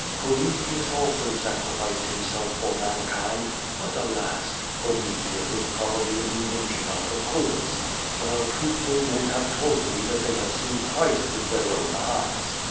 Prometheus also sacrificed himself for mankind, but, alas! Prometlieus is probably an invention of the poets, wliiie trutliful men have told me that they have seen Christ with their own eyes.